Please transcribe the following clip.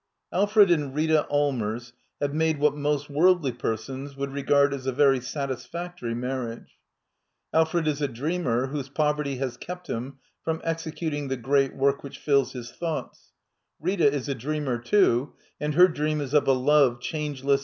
Alfred and Rita Allmers have made what most worldly persons would regard as a very satisfactory marriage. Alfred is a dreamer whose poverty has kept him irom xxecu£I5gIflS£:.gffea^^^^ hi&Jhoughts ; Rita is a dreamer, too, and her dream is of a love rhangekss.